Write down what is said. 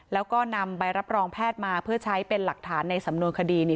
แล้วก็นำใบรับรองแพทย์มาเพื่อใช้เป็นหลักฐานในสำนวนคดี